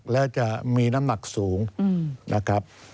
แล้วจะมีน้ำหนักสูงนะครับ